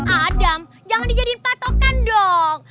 adam jangan dijadiin patokan dong